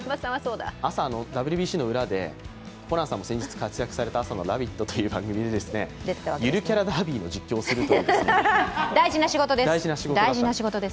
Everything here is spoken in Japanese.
朝、ＷＢＣの裏で、ホランさんも先日活躍された「ラヴィット！」という番組でゆるキャラダービーの実況をするという大事な仕事があったんです。